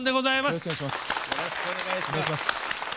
よろしくお願いします。